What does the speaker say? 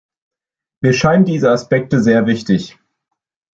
Mir scheinen diese Aspekte sehr wichtig.